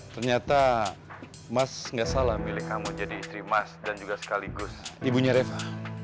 ternyata mas gak salah milik kamu jadi istri mas dan juga sekaligus ibunya reva